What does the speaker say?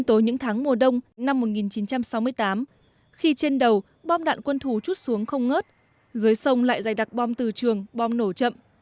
trong tháng mùa đông năm một nghìn chín trăm sáu mươi tám khi trên đầu bom đạn quân thù chút xuống không ngớt dưới sông lại dày đặc bom từ trường bom nổ chậm